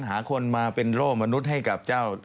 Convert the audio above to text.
หาคนมาเป็นโล่มนุษย์ให้กับเจ้า